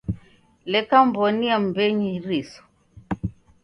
Leka mw'onia m'mbenyu iriso.